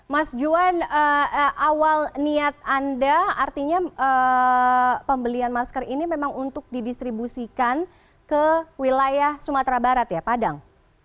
mas juan awal niat anda artinya pembelian masker ini memang untuk didistribusikan ke wilayah sumatera barat ya padang